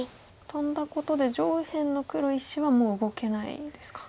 トンだことで上辺の黒１子はもう動けないんですか。